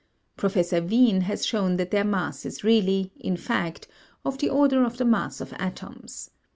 Professor Wien has shown that their mass is really, in fact, of the order of the mass of atoms.